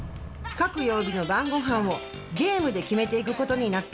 各曜日の晩ごはんをゲームで決めていくことになった。